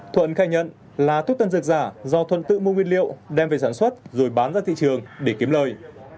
thuận khai nhận là thuốc tân dược giả do thuận tự mua nguyên liệu đem về sản xuất rồi bán ra thị trường để kiếm lời